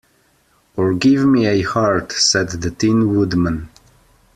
"Or give me a heart," said the Tin Woodman.